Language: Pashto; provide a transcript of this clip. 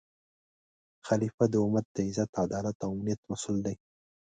خلیفه د امت د عزت، عدالت او امنیت مسؤل دی